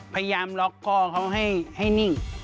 พยายามล็อกคอเขาให้นิ่ง